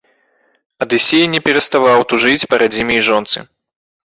Адысей не пераставаў тужыць па радзіме і жонцы.